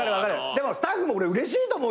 でもスタッフもうれしいと思うけどな。